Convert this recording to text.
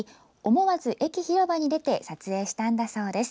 思わず駅広場に出て撮影したんだそうです。